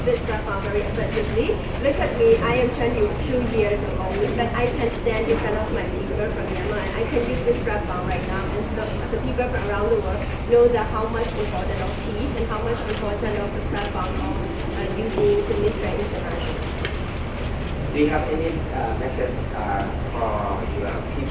มีความรู้สึกว่ามีความรู้สึกว่ามีความรู้สึกว่ามีความรู้สึกว่ามีความรู้สึกว่ามีความรู้สึกว่ามีความรู้สึกว่ามีความรู้สึกว่ามีความรู้สึกว่ามีความรู้สึกว่ามีความรู้สึกว่ามีความรู้สึกว่ามีความรู้สึกว่ามีความรู้สึกว่ามีความรู้สึกว่ามีความรู้สึกว